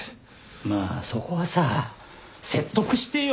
まあそこはさ説得してよ。